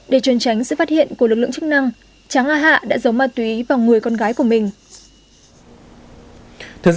để trôn tránh sự phát hiện của lực lượng chức năng tráng a hạ đã giấu ma túy vào người con gái của mình